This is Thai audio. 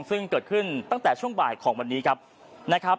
ซึ่งเกิดขึ้นตั้งแต่ช่วงบ่ายของวันนี้ครับนะครับ